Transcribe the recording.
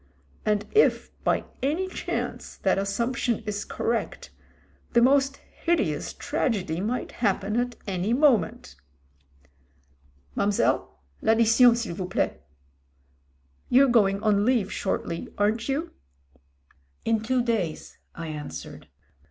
And if, by any chance, that assump tion is correct, the most hideous tragedy might happen at any moment. Mam'selle, I'addition s'il vous plait. You're going on leave shortly, aren't you?" In two days," I answered.